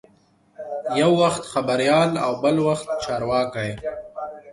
یو وخت خبریال او بل وخت چارواکی.